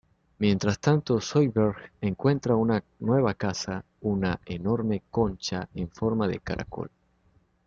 Mientras tanto, Zoidberg encuentra una nueva casa, una enorme concha en forma de caracol.